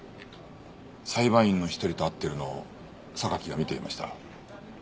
裁判員の一人と会っているのを榊が見ていました。